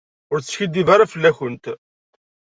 Ur teskiddib ara fell-akent.